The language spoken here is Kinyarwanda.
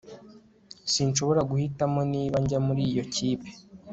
Sinshobora guhitamo niba njya muri iyo kipe